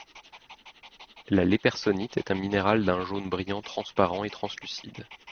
La lepersonnite est un minéral d'un jaune brillant, transparent et translucide.